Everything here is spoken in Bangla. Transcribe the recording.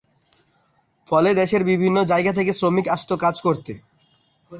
ফলে দেশের বিভিন্ন জায়গা থেকে শ্রমিক আসতো কাজ করতে।